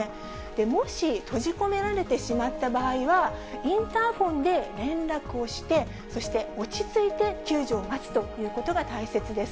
もし閉じ込められてしまった場合は、インターホンで連絡をして、そして落ち着いて救助を待つということが大切です。